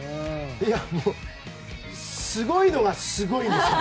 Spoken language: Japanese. いや、もうすごいのはすごいんですよ。